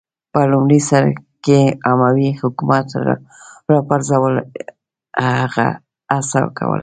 په لومړي سر کې اموي حکومت راپرځولو هڅه کوله